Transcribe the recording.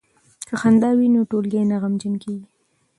که خندا وي نو ټولګی نه غمجن کیږي.